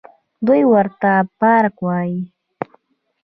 دوى ورته پارک وايه.